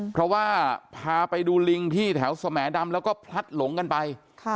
เพราะว่าพาไปดูลิงที่แถวสแหมดำแล้วก็พลัดหลงกันไป